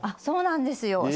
そうなんですよ。